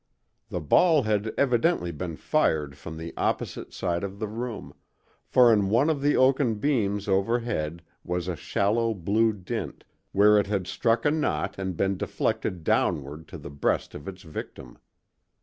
The ball had evidently been fired from the opposite side of the room, for in one of the oaken beams overhead was a shallow blue dint, where it had struck a knot and been deflected downward to the breast of its victim.